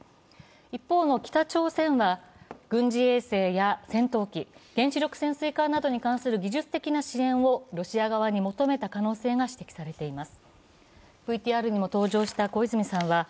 一方の北朝鮮は軍事衛星や戦闘機、原子力潜水艦などに関する技術的な支援をロシア側に求めた可能性が指摘されています。